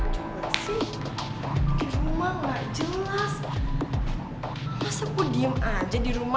di rumah nggak jelas masa ku diem aja di rumah